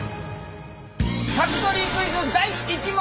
ファクトリークイズ第１問！